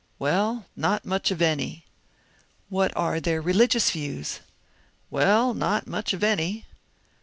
" Well, not much of any." " What are their religious views?" "Well, not much of any."